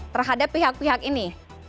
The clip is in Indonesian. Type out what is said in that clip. terhadap pihak pihak ini